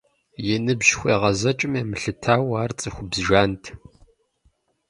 И ныбжь хуегъэзэкӀым емылъытауэ ар цӏыхубз жант.